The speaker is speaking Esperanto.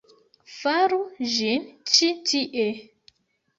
Faru ĝin ĉi tie!